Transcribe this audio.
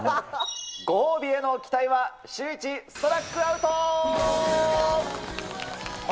ご褒美への期待は、シューイチ、ストラックアウト。